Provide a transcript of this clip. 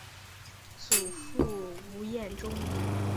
祖父吴彦忠。